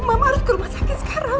mama harus ke rumah sakit sekarang